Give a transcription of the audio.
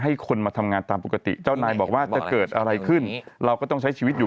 คนมาทำงานตามปกติเจ้านายบอกว่าจะเกิดอะไรขึ้นเราก็ต้องใช้ชีวิตอยู่